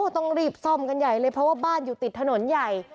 ต้องรีบซ่อมกันใหญ่เลยเพราะว่าบ้านอยู่ติดถนนใหญ่